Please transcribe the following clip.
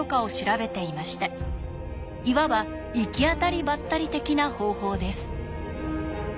いわば行き当たりばったり的な方法です。